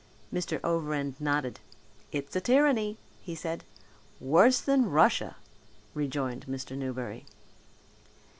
Mr. Overend nodded. "It's a tyranny," he said. "Worse than Russia," rejoined Mr. Newberry.